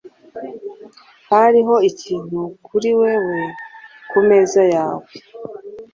Hariho ikintu kuri wewe kumeza yawe.